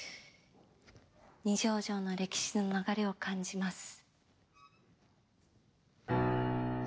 二条城の歴史の流れを感じます。